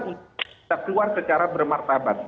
untuk bisa keluar secara bermartabat